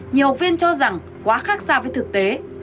nhiều viên cho rằng quá khác xa với thực tế